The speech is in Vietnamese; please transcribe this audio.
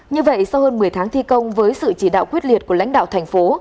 như vậy sau hơn một mươi tháng thi công với sự chỉ đạo quyết liệt của lãnh đạo thành phố